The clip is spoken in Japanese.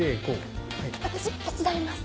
私手伝います。